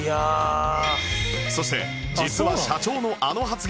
そして実は社長のあの発言も大ヒント